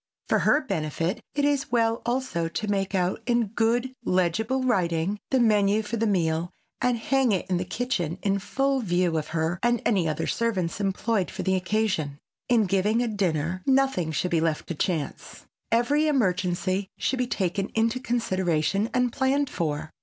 For her benefit it is well also to make out in good legible writing, the menu for the meal and hang it in the kitchen in full view of her and any other servants employed for the occasion. In giving a dinner nothing should be left to chance. Every emergency should be taken into consideration and planned for.